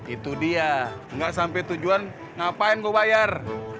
itu dia gak sampe tujuan ngapain gue bayar